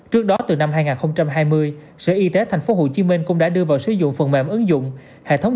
trước đó từ năm hai nghìn hai mươi sở y tế tp hcm cũng đã đưa vào sử dụng phần mềm ứng dụng hệ thống